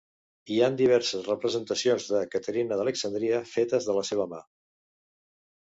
Hi han diverses representacions de Caterina d'Alexandria fetes de la seva mà.